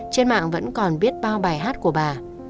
trên mạng vẫn còn biết bao bài hát của bà